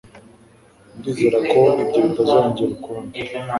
Ndizera ko ibyo bitazongera ukundi